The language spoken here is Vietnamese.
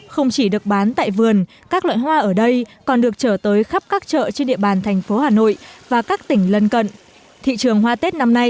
không chỉ được bán tại vườn các loại hoa ở đây còn được trở tới khắp các chợ trên địa bàn thành phố hà nội và các tỉnh lân cận